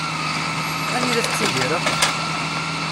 Anida tettidireḍ?